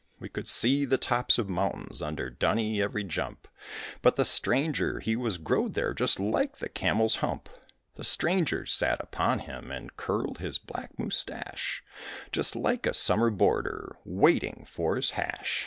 We could see the tops of the mountains under Dunny every jump, But the stranger he was growed there just like the camel's hump; The stranger sat upon him and curled his black mustache Just like a summer boarder waiting for his hash.